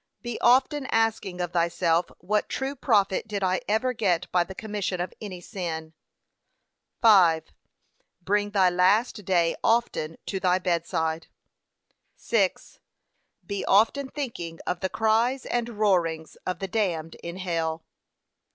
Be often asking of thyself what true profit did I ever get by the commission of any sin. 5. Bring thy last day often to thy bedside. 6. Be often thinking of the cries and roarings of the damned in hell.